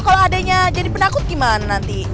kalau adanya jadi penakut gimana nanti